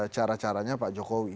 cara caranya pak jokowi